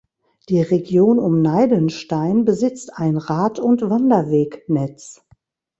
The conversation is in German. Die Region um Neidenstein besitzt ein Rad- und Wanderwegnetz.